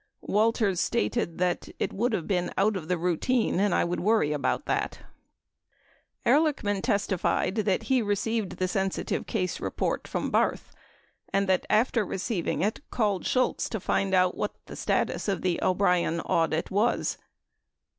Walters stated that, "It would have been out of the routine, and I would worry about it." 13 Ehrlichman testified that he received the sensitive case report from Barth, and that after receiving it called Shultz to find out what the status of the O'Brien audit was.